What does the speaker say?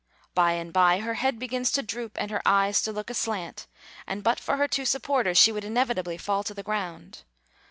By and by her head begins to droop, and her eyes to look aslant; and but for her two supporters she would inevitably fall to the ground.